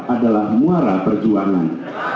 adalah muara perjuangan